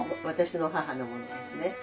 私の母のものですね。